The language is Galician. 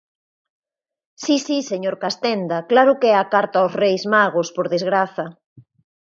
Si, si, señor Castenda, claro que é a carta aos Reis Magos, por desgraza.